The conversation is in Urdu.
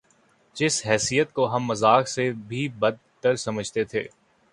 جس حیثیت کو ہم مذاق سے بھی بد تر سمجھتے تھے۔